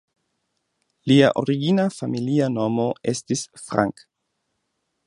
Lia origina familia nomo estis "Frank".